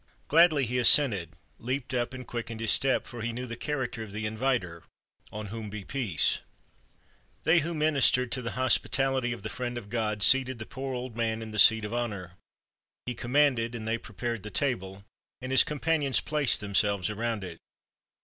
Gladly he assented, leaped ,up, and quickened^his step, for he knew the character of the inviter — on whom be peace ! They who ministered to the hospitality of the Friend of God seated the poor old man in the seat of honor. He commanded, and they prepared the table, and his com panions placed themselves around it.